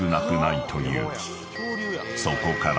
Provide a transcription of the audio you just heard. ［そこから］